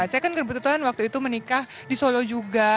saya kan kebetulan waktu itu menikah di solo juga